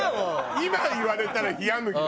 今言われたら冷麦だわ。